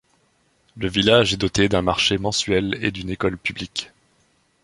Le village est doté d'un marché mensuel et d'une école publique.